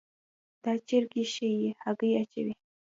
دا چرګي ښي هګۍ اچوي